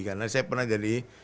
karena saya pernah jadi